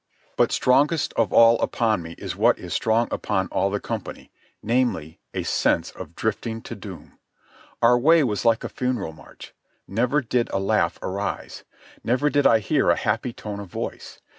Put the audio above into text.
But strongest of all upon me is what is strong upon all the company, namely, a sense of drifting to doom. Our way was like a funeral march. Never did a laugh arise. Never did I hear a happy tone of voice.